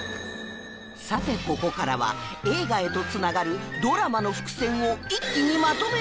さてここからは映画へと繋がるドラマの伏線を一気にまとめてご紹介！